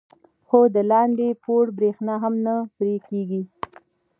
خو د لاندې پوړ برېښنا هم نه پرې کېږي.